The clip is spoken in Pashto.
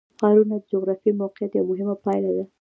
ښارونه د جغرافیایي موقیعت یوه مهمه پایله ده.